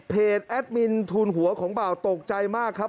แอดมินทูลหัวของบ่าวตกใจมากครับ